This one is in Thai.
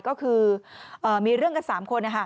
ก็คือมีเรื่องกัน๓คน